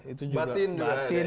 itu juga batin